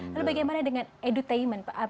lalu bagaimana dengan edutainment